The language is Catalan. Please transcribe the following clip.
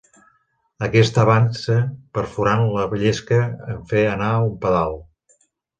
Aquesta avança perforant la llesca en fer anar un pedal.